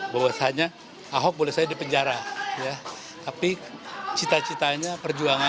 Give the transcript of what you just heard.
bahwa hanya ahok boleh saja dipenjara tapi cita citanya perjuangan